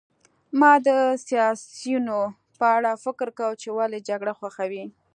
ما د سیاسیونو په اړه فکر کاوه چې ولې جګړه خوښوي